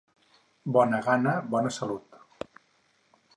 Bona gana, bona salut.